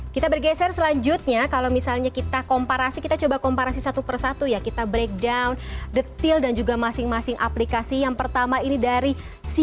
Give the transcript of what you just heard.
kita bergeser selanjutnya kalau misalnya kita komparasi kita coba komparasi satu persatu ya kita breakdown detail dan juga masing masing aplikasi yang pertama ini dari sisi